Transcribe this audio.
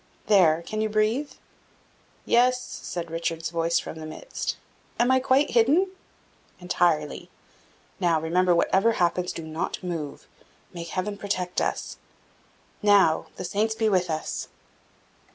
"There, can you breathe?" "Yes," said Richard's voice from the midst. "Am I quite hidden?" "Entirely. Now, remember, whatever happens, do not move. May Heaven protect us! Now, the Saints be with us!"